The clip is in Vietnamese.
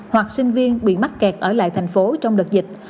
hoặc sinh viên bị mắc kẹt ở lại thành phố trong đợt dịch